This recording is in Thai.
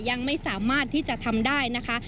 ยังไม่สามารถที่จะทำได้นะคะ